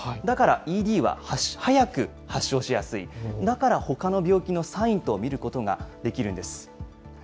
だからＥＤは早く発症しやすい、だからほかの病気のサインと見ることができるんです。